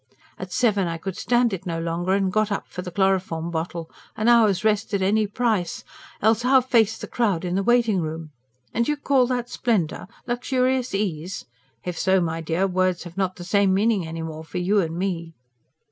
At seven I could stand it no longer and got up for the chloroform bottle: an hour's rest at any price else how face the crowd in the waiting room? And you call that splendour? luxurious ease? If so, my dear, words have not the same meaning any more for you and me."